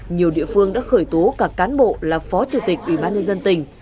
nhiều địa phương đã khởi tố cả cán bộ là phó chủ tịch ủy ban nhân dân tỉnh